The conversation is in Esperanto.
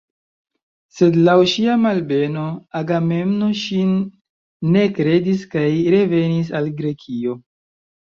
Sed laŭ ŝia malbeno Agamemno ŝin ne kredis kaj revenis al Grekio.